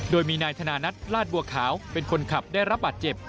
โดยมีนายธนานัทลาดบัวขาวเป็นคนขับได้รับบาดเจ็บ